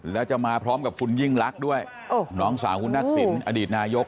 แล้วจะมาพร้อมกับคุณยิ่งลักษณ์ด้วยน้องสาวคุณทักษิณอดีตนายก